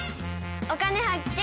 「お金発見」。